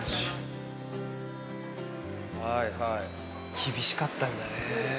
厳しかったんだね。